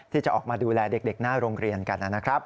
ที่จะออกมาดูแลเด็กหน้าโรงเรียนกันนะครับ